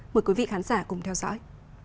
mời quý vị khán giả cùng theo dõi